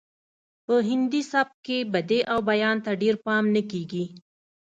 په هندي سبک کې بدیع او بیان ته ډیر پام نه کیږي